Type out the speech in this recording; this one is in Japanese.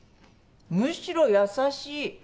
むしろ優しい。